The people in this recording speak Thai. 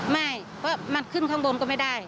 ไม่เพราะมันขึ้นข้างบนก็ไม่ได้